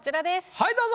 はいどうぞ！